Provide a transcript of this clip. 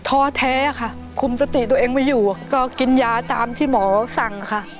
ท้อแท้ค่ะคุมสติตัวเองไม่อยู่ก็กินยาตามที่หมอสั่งค่ะ